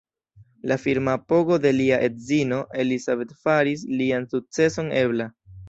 La firma apogo de lia edzino Elizabeth faris lian sukceson ebla.